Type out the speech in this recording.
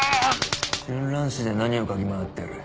春蘭市で何を嗅ぎ回ってる？